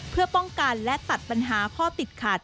เพื่อป้องกันและตัดปัญหาข้อติดขัด